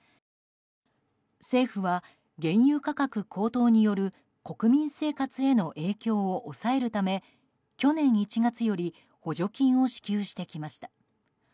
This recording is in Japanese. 政府は、原油価格高騰による国民生活への影響を抑えるため去年１月より補助金を支給してきました。